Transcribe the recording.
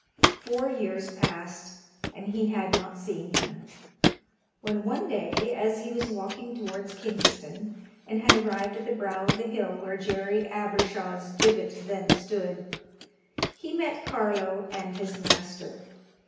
Four years passed, and he had not seen him; when one day, as he was walking towards Kingston, and had arrived at the brow of the hill where Jerry Abershaw's gibbet then stood, he met Carlo and his master.